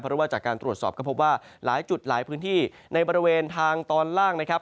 เพราะว่าจากการตรวจสอบก็พบว่าหลายจุดหลายพื้นที่ในบริเวณทางตอนล่างนะครับ